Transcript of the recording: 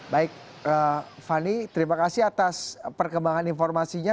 baik fani terima kasih atas perkembangan informasinya